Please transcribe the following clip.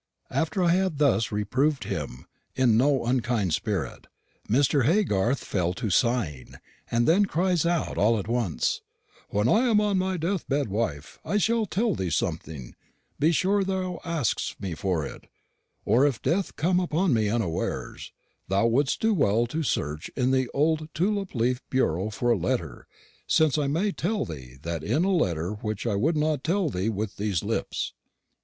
"After I had thus reproved him in no unkind speritt Mr. Haygarthe fell to sighing; and then cries out all at once: "'When I am on my death bed, wife, I will tell thee something: be sure thou askest me for it; or if death come upon me unawares, thou wouldst do well to search in the old tulip leaf bureau for a letter, since I may tell thee that in a letter which I would not tell with these lips.'